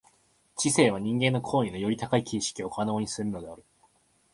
知性は人間の行為のより高い形式を可能にするのである。